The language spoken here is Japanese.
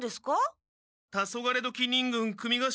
タソガレドキ忍軍組頭の雑渡昆